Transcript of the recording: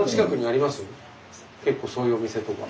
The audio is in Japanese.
結構そういうお店とか。